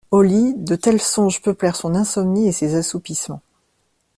Au lit, de tels songes peuplèrent son insomnie et ses assoupissements.